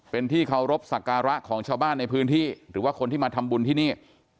เป็นที่เคารพสักการะของชาวบ้านในพื้นที่หรือว่าคนที่มาทำบุญที่นี่